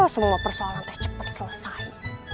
semua persoalan teh cepat selesai